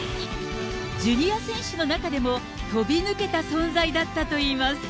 ジュニア選手の中でも、飛び抜けた存在だったといいます。